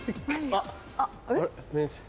あっ。